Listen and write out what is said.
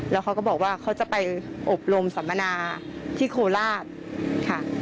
แล้วเขาก็บอกว่าเขาจะไปอบรมสัมมนาที่โคราชค่ะ